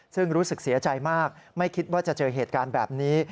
ซึ่งรู้สึกเสียใจมากไม่คิดว่าจะเจอเหตุการณ์แบบนี้